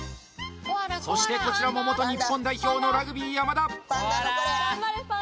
そしてこちらも元日本代表のラグビー・山田